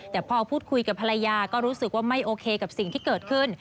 แต่พอพูดคุยกับภรรยาก็รู้สึกว่าไม่โอเคกับสิ่งที่เกิดขึ้น